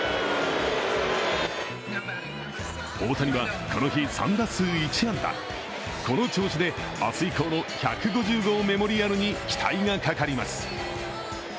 大谷はこの日、３打数１安打、この調子で明日以降の１５０号メモリアルに期待がかかります。